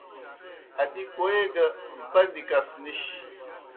ادی کوئے گہ بَندیْ کَس نِش۔